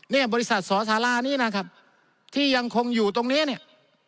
บริษัทสอสารานี้นะครับที่ยังคงอยู่ตรงนี้เนี่ย